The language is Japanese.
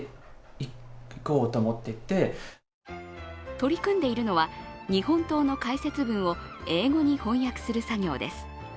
取り組んでいるのは日本刀の解説文を英語に翻訳する作業です。